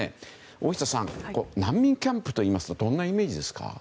大下さん難民キャンプといいますとどんなイメージですか。